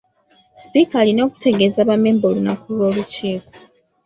Sipiika alina okutegeeza ba memba olunaku lw'olukiiko.